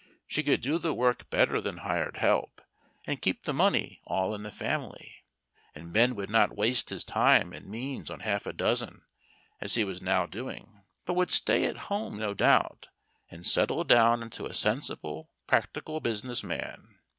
She could do the work better than hired help, and keep the money all in the family. And Ben would not waste his time and means on half a dozen, as he was now doing, but would stay at home, no doubt, and settle down into a sensible, practical business man.